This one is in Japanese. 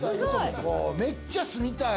めっちゃ住みたい！